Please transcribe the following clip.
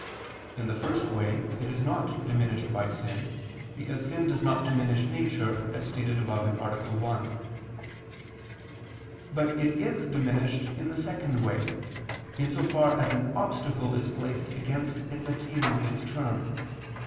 In the first way, it is not diminished by sin, because sin does not diminish nature, as stated above (A. 1). But it is diminished in the second way, in so far as an obstacle is placed against its attaining its term.